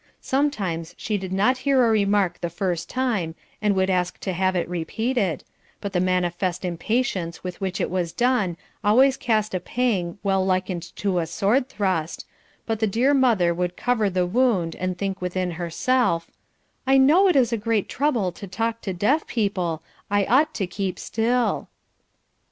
Sometimes she did not hear a remark the first time and would ask to have it repeated, but the manifest impatience with which it was done always sent a pang well likened to a sword thrust, but the dear mother would cover the wound and think within herself, "I know it is a great trouble to talk to deaf people, I ought to keep still."